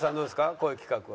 こういう企画は。